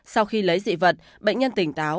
sau khi lấy dị vật bệnh nhân tỉnh táo